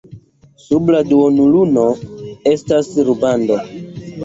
Sub la duonluno estas rubando.